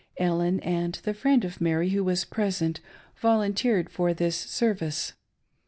Ellen and the friend of Mary who was present volunteered for this service.